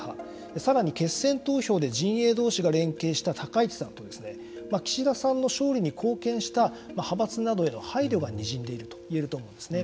さらに決選投票で陣営どうしが連携した高市さんと岸田さんの勝利に貢献した派閥などへの配慮がにじんでいると言えると思うんですね。